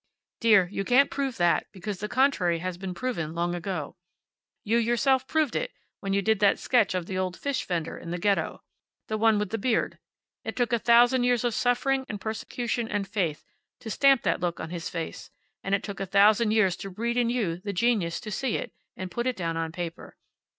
"Dear, you can't prove that, because the contrary has been proven long ago. You yourself proved it when you did that sketch of the old fish vender in the Ghetto. The one with the beard. It took a thousand years of suffering and persecution and faith to stamp that look on his face, and it took a thousand years to breed in you the genius to see it, and put it down on paper.